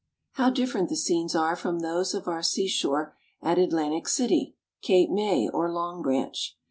How different the scenes are from those of our seashore at Atlantic City, Cape May, or Long Branch.